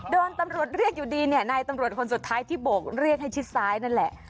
ตำรวจเรียกอยู่ดีเนี่ยนายตำรวจคนสุดท้ายที่โบกเรียกให้ชิดซ้ายนั่นแหละ